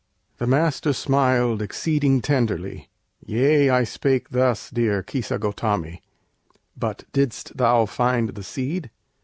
The Master smiled Exceeding tenderly. "Yea! I spake thus, Dear Kisagôtami! But didst thou find The seed?"